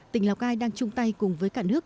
tỉnh lào cai đang chung tay cùng với cả nước